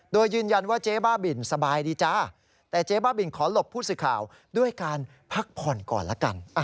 โดยยืนยันว่าเจ๊บ้าบินสบายดีจ้าแต่เจ๊บ้าบินขอหลบผู้สื่อข่าวด้วยการพักผ่อนก่อนละกัน